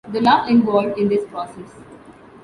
The love involved in this process.